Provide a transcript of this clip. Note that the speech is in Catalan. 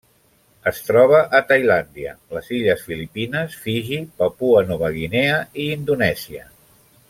Es troba a Tailàndia, les illes Filipines, Fiji, Papua Nova Guinea i Indonèsia.